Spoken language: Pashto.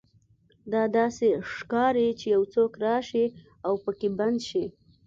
دا داسې ښکاري چې یو څوک راشي او پکې بند شي